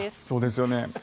そうですよね。